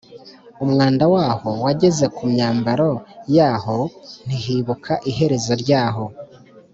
Umwanda waho wageze ku myambaro yaho, Ntihibuka iherezo ryaho.